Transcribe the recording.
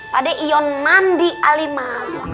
pade ion mandi kali mas